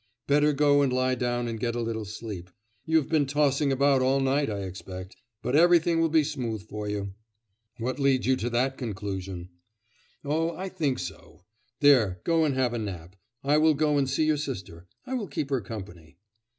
Better go and lie down and get a little sleep; you have been tossing about all night, I expect. But everything will be smooth for you.' 'What leads you to that conclusion?' 'Oh, I think so. There, go and have a nap; I will go and see your sister. I will keep her company.